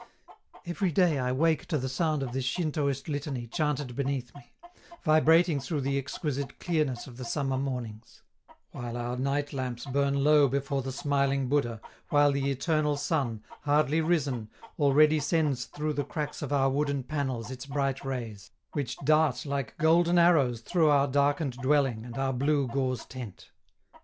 Every day I wake to the sound of this Shintoist litany chanted beneath me, vibrating through the exquisite clearness of the summer mornings while our night lamps burn low before the smiling Buddha, while the eternal sun, hardly risen, already sends through the cracks of our wooden panels its bright rays, which dart like golden arrows through our darkened dwelling and our blue gauze tent.